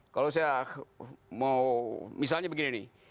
kalau saya mau misalnya begini nih